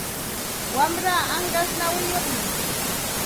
Wamraa anqas nawiyuqmi.